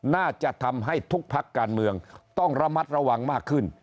น่าจะทำให้ทุกพักการเมืองต้องระมัดระวังมากขึ้น